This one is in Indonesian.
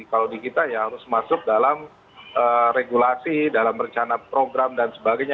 kalau di kita ya harus masuk dalam regulasi dalam rencana program dan sebagainya